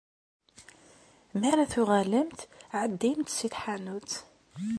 Mi ara tuɣalemt, ɛeddimt si tḥanut.